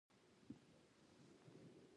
د ځینو مکروبونو په منځ کې اندوسپور منځته راځي.